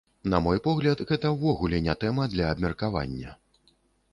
Таму, на мой погляд, гэта ўвогуле не тэма для абмеркавання.